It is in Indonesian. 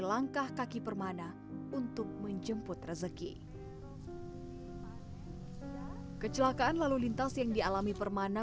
langkah kaki permana untuk menjemput rezeki kecelakaan lalu lintas yang dialami permana